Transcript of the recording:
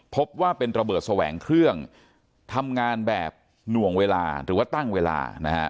พบว่าเป็นระเบิดแสวงเครื่องทำงานแบบหน่วงเวลาหรือว่าตั้งเวลานะฮะ